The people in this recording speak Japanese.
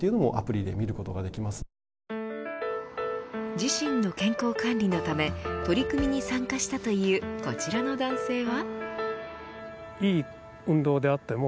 自身の健康管理のため取り組みに参加したというこちらの男性は。